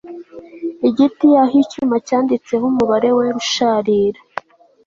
Igiti aho icyuma cyanditseho umubare wera usharira